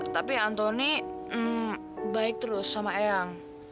tapi antoni baik terus sama eyang